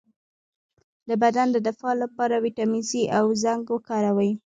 د بدن د دفاع لپاره ویټامین سي او زنک وکاروئ